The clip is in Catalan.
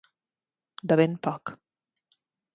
De ben poc.